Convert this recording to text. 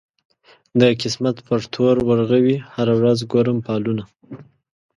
د قسمت پر تور اورغوي هره ورځ ګورم فالونه